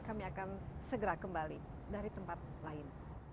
kami akan segera kembali dari tempat lain